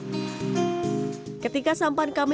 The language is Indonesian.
ketika sampan kami mulai jalan saya mencoba untuk mencoba